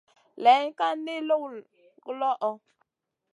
Layn ka li nullu guloʼo.